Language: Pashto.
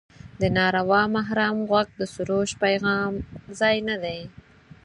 د ناروا محرم غوږ د سروش پیغام ځای نه دی.